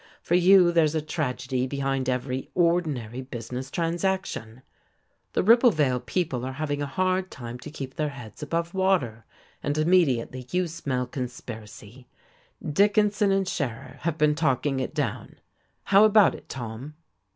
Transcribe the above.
For you there's a tragedy behind every ordinary business transaction. The Ribblevale people are having a hard time to keep their heads above water, and immediately you smell conspiracy. Dickinson and Scherer have been talking it down. How about it, Tom?"